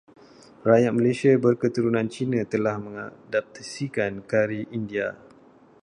Rakyat Malaysia berketurunan Cina telah mengadaptasi Kari India.